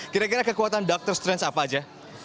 kira kira kekuatan doctor strange apa aja